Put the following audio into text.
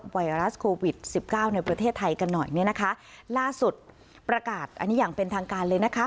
ไวรัสโควิดสิบเก้าในประเทศไทยกันหน่อยเนี่ยนะคะล่าสุดประกาศอันนี้อย่างเป็นทางการเลยนะคะ